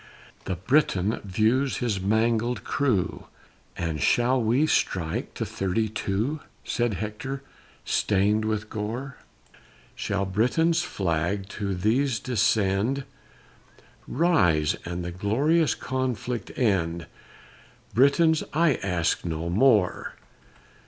The Briton views his mangled crew, "And shall we strike to thirty two" (Said Hector, stained with gore); "Shall Britain's flag to these descend Rise, and the glorious conflict end, Britons, I ask no more!"